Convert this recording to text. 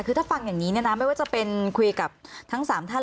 คือถ้าฟังอย่างนี้เนี่ยนะไม่ว่าจะเป็นคุยกับทั้ง๓ท่าน